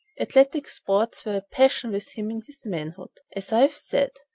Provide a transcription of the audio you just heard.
Athletic sports were a passion with him in his manhood, as I have said.